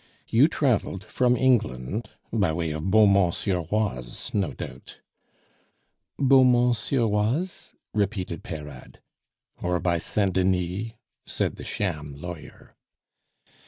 You traveled from England by way of Beaumont sur Oise, no doubt." "Beaumont sur Oise?" repeated Peyrade. "Or by Saint Denis?" said the sham lawyer.